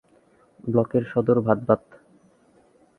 ব্লকের সদর ভাতবাঁধ।